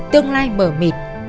tương lai mở mịt